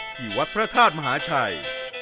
ที่วัดพระธาตุมหาชัย